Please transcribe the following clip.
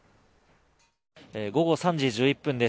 午後３時１１分です。